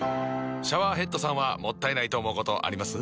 シャワーヘッドさんはもったいないと思うことあります？